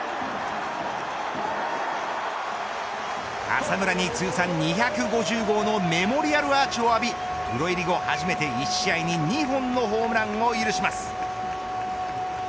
浅村に通算２５０号のメモリアルアーチを浴びプロ入り後初めて１試合に２本もホームランを許します。